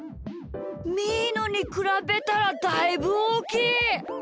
みーのにくらべたらだいぶおおきい！